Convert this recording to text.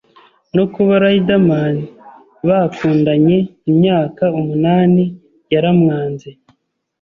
no kuba Riderman bakundanye imyaka umunani yaramwanze